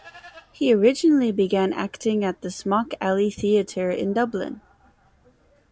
He originally began acting at the Smock Alley Theatre in Dublin.